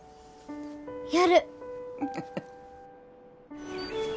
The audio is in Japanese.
やる。